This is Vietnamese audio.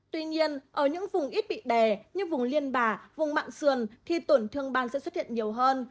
tuy nhiên ở những vùng ít bị đè như vùng liên bà vùng mạng sườn thì tổn thương ban sẽ xuất hiện nhiều hơn